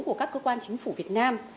của các cơ quan chính phủ việt nam